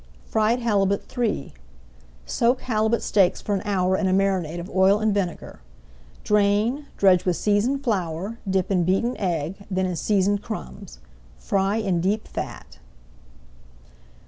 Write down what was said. FRIED HALIBUT III Soak halibut steaks for an hour in a marinade of oil and vinegar. Drain, dredge with seasoned flour, dip in beaten egg, then in seasoned crumbs. Fry in deep fat.